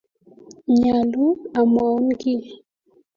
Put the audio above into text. Nyaluu amwaun giy